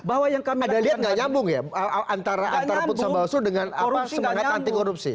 ada lihat nggak nyambung ya antara putusan bawah seluruh dengan semangat anti korupsi